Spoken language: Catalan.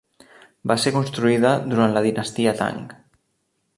Va ser construïda durant la dinastia Tang.